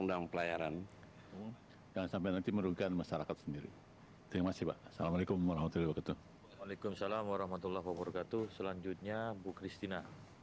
assalamu alaikum warahmatullahi wabarakatuh selanjutnya bu kristina